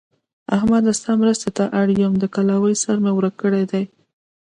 احمده! ستا مرستې ته اړ يم؛ د کلاوې سر مې ورک کړی دی.